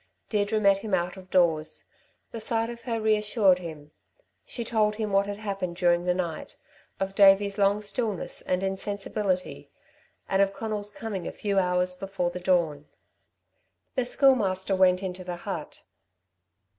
Deirdre met him out of doors. The sight of her reassured him. She told him what had happened during the night of Davey's long stillness and insensibility, and of Conal's coming a few hours before the dawn. The Schoolmaster went into the hut.